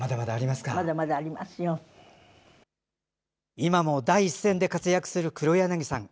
今も第一線で活躍する黒柳さん。